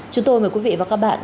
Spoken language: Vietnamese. chúng tôi mời quý vị và các bạn